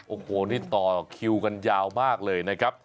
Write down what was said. โอ้โหนี่ต่อคิวกันยาวมากเลยนะครับ